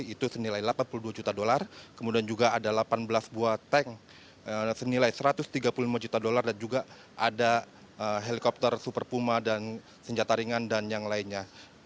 itu senilai delapan puluh dua juta dolar kemudian juga ada delapan belas buah tank senilai satu ratus tiga puluh lima juta dolar dan juga ada helikopter super puma dan senjata ringan dan yang lainnya